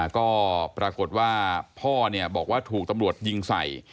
ก็ปรากฏว่าพ่อบอกว่าถูกตำรวจยิงใส่